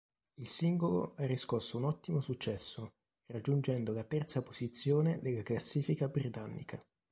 Il singolo ha riscosso un ottimo successo raggiungendo la terza posizione della classifica britannica.